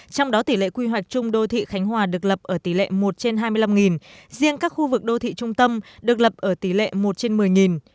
trong đó tỷ lệ quy hoạch chung đô thị khánh hòa được lập ở tỉ lệ một trên hai mươi năm riêng các khu vực đô thị trung tâm được lập ở tỉ lệ một trên một mươi